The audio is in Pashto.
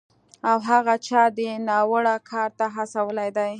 او هغه چا دې ناوړه کار ته هڅولی دی